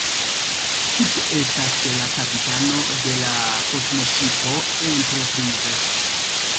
Kirk estas la kapitano de la kosmoŝipo Enterprise.